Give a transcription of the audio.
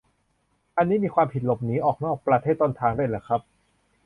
อันนี้มีความผิดหลบหนีออกนอกประเทศต้นทางด้วยเหรอครับ